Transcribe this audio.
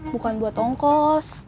bukan buat ongkos